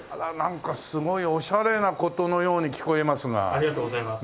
ありがとうございます。